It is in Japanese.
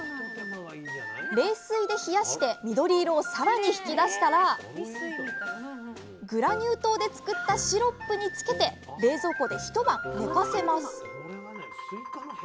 冷水で冷やして緑色を更に引き出したらグラニュー糖で作ったシロップに漬けて冷蔵庫で一晩寝かせます。